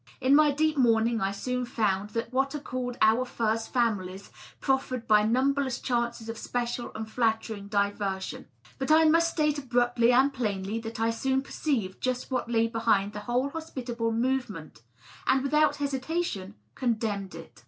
In my deep mourning I soon found that what are called " our first families '' proffered me numberless chances of special and flattering diversion. But I must state abruptly and plainly that I soon perceived just what lay behind the whole hospitable movement, and without hesitation condemned it.